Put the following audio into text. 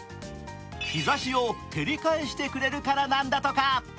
日ざしを照り返してくれるからなんだとか。